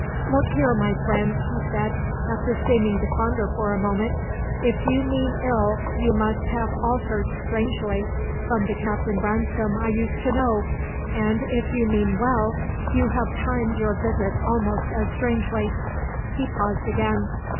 "'Look here, my friend,' he said, after seeming to ponder for a moment, 'if you mean ill, you must have altered strangely from the Captain Branscome I used to know, and if you mean well you have timed your visit almost as strangely.' He paused again.